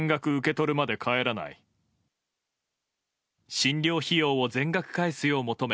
診療費用を全額返すよう求め